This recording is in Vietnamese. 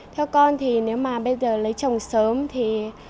theo con thì nếu mà bây giờ lấy chồng sớm thì